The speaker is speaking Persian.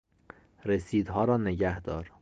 رسیدها را نگهدار.